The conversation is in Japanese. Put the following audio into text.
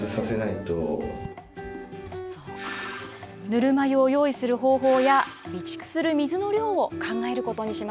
ぬるま湯を用意する方法や、備蓄する水の量を考えることにし